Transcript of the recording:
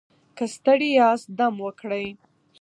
که ستړي یاست دم وکړئ.